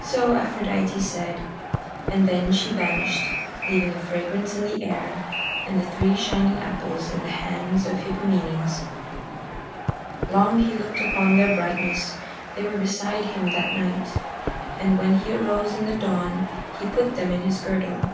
So Aphrodite said, and then she vanished, leaving a fragrance in the air and the three shining apples in the hands of Hippomenes. Long he looked upon their brightness. They were beside him that night, and when he arose in the dawn he put them in his girdle.